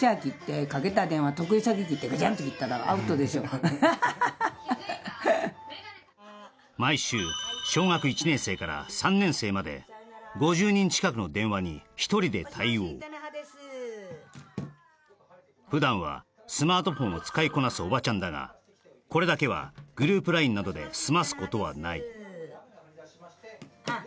その狙いは毎週小学１年生から３年生まで５０人近くの電話に１人で対応普段はスマートフォンを使いこなすおばちゃんだがこれだけはグループラインなどで済ますことはないあっ